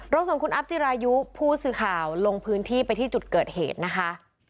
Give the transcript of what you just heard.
ส่งคุณอัพจิรายุผู้สื่อข่าวลงพื้นที่ไปที่จุดเกิดเหตุนะคะ